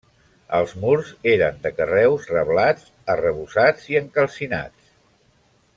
Els murs eren de carreus reblats, arrebossats i encalcinat.